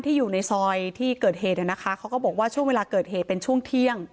อยู่ในซอยที่เกิดเหตุนะคะเขาก็บอกว่าช่วงเวลาเกิดเหตุเป็นช่วงเที่ยง